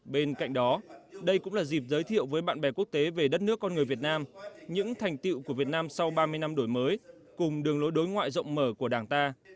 bên cạnh đó đây cũng là dịp giới thiệu với bạn bè quốc tế về đất nước con người việt nam những thành tiệu của việt nam sau ba mươi năm đổi mới cùng đường lối đối ngoại rộng mở của đảng ta